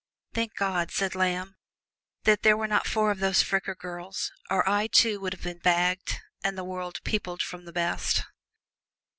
"Thank God," said Lamb, "that there were not four of those Fricker girls, or I, too, would have been bagged, and the world peopled from the best!"